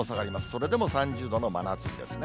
それでも３０度の真夏日ですね。